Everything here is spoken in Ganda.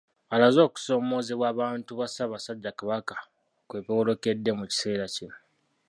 Alaze okusoomoozebwa abantu ba Ssaabasajja Kabaka kwe boolekedde mu kiseera kino.